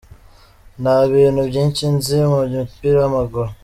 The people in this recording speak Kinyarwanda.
Nta bintu byinshi nzi mu mupira w’ amaguru”.